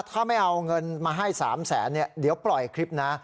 ถ้าไม่เอาเงินมาให้๓แสนเดี๋ยวปล่อยคลิปนะ